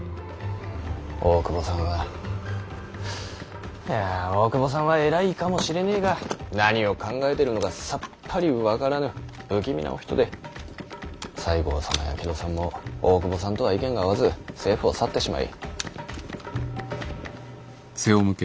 大久保さんはいや大久保さんは偉いかもしれねぇが何を考えているのかさっぱり分からぬ不気味なお人で西郷様や木戸さんも大久保さんとは意見が合わず政府を去ってしまい。